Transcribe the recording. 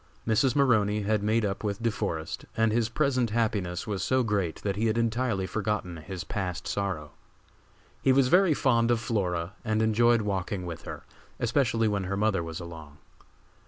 Mrs. Maroney had made up with De Forest and his present happiness was so great that he had entirely forgotten his past sorrow. He was very fond of Flora and enjoyed walking with her, especially when her mother was along.